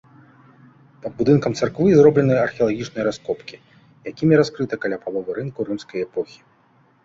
Пад будынкам царквы зроблены археалагічныя раскопкі, якімі раскрыта каля паловы рынку рымскай эпохі.